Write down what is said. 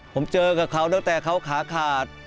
ผมเจอกับเขาตั้งแต่เขาขาขาด